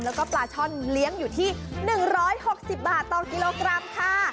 แล้วก็ปลาช่อนเลี้ยงอยู่ที่๑๖๐บาทต่อกิโลกรัมค่ะ